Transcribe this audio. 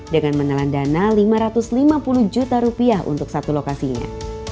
dengan menelan dana lima ratus lima puluh juta rupiah untuk satu lokasinya